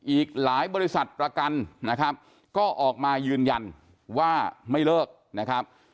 อีกหลายบริษัทประกันนะครับก็ออกมายืนยันว่าไม่เลิกนะครับ